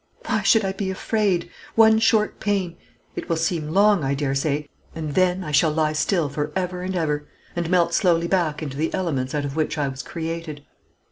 Why should I be afraid? One short pain it will seem long, I dare say and then I shall lie still for ever and ever, and melt slowly back into the elements out of which I was created.